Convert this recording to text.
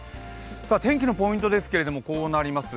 天気のポイントですけれどもこうなります。